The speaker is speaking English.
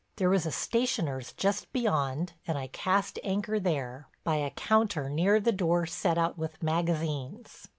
There was a stationer's just beyond and I cast anchor there, by a counter near the door set out with magazines.